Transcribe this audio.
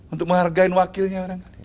untuk menghargai wakilnya